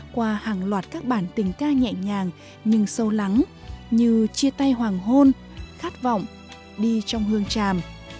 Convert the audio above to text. qua hàng loạt các bản tình ca nhẹ nhàng nhưng sâu lắng như chia tay hoàng hôn khát vọng đi trong hương tràm